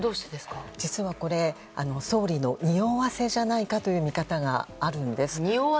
実はこれ、総理のにおわせじゃないかという見方があるんです。